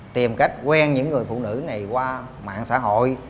tìm cách quen những người phụ nữ này qua mạng xã hội